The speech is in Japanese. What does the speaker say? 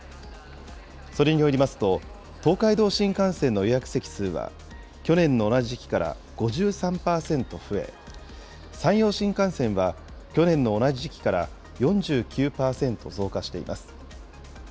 それによりますと、東海道新幹線の予約席数は去年の同じ時期から５３％増え、山陽新幹線は去年の同じ時期から４９％増加しています。